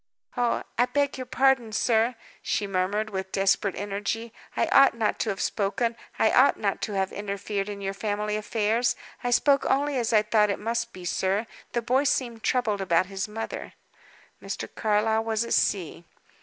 "Oh, I beg your pardon, sir," she murmured, with desperate energy. "I ought not to have spoken; I ought not to have interfered in your family affairs. I spoke only as I thought it must be, sir. The boy seemed troubled about his mother." Mr. Carlyle was at sea.